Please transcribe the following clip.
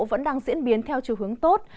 vẫn đang diễn biến theo chiều hướng tốt